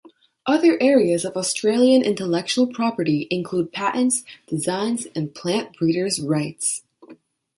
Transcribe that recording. Other areas of Australian Intellectual property include Patents, Designs and plant breeders rights.